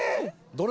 どれ？